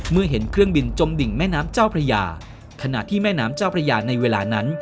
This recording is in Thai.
เมื่อเห็นเครื่องบินจมดิ่งแม่น้ำเจ้าพระยาขณะที่แม่น้ำเจ้าพระยาในเวลานั้น